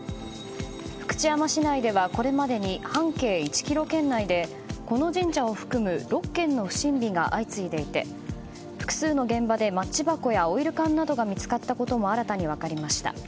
福知山市内ではこれまでに半径１ｋｍ圏内でこの神社を含む６件の不審火が相次いでいて複数の現場でマッチ箱やオイル缶などが見つかったことも新たに分かりました。